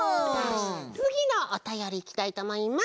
つぎのおたよりいきたいとおもいます。